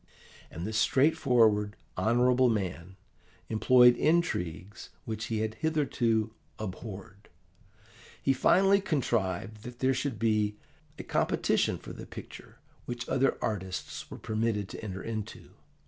"And this straightforward, honourable man employed intrigues which he had hitherto abhorred. He finally contrived that there should be a competition for the picture which other artists were permitted to enter into.